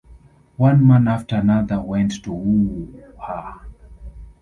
One man after another went to woo her.